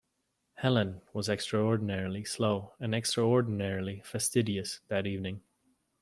Helene was extraordinarily slow and extraordinarily fastidious that evening.